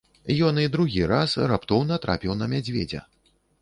Ён і другі раз раптоўна трапіў на мядзведзя.